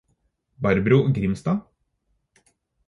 Barbro Grimstad